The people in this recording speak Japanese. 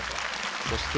そして